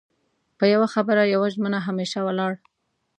په يو خبره يوه ژمنه همېشه ولاړ